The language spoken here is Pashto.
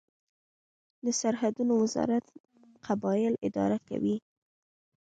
د سرحدونو وزارت قبایل اداره کوي